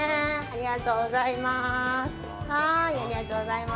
ありがとうございます。